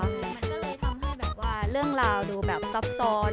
ก็เลยทำให้เรื่องราวดูซับซ้อน